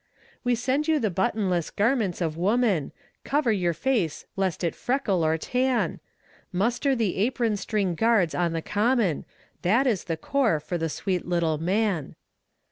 We send you the buttonless garments of woman! Cover your face lest it freckle or tan; Muster the apron string guards on the common That is the corps for the sweet little man.